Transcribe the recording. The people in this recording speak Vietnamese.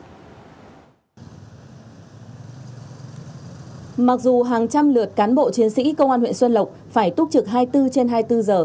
mặc dù hàng trăm lượt cán bộ chiến sĩ công an huyện xuân lộc phải túc trực hai mươi bốn trên hai mươi bốn giờ